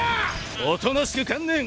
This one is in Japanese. おとなしく観念！